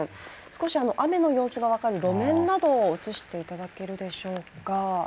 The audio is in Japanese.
少し雨の様子が分かる路面などを映していただけるでしょうか。